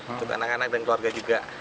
untuk anak anak dan keluarga juga